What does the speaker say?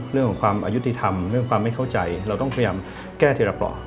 เรื่องของความอายุติธรรมเรื่องความไม่เข้าใจเราต้องพยายามแก้ทีละเปราะ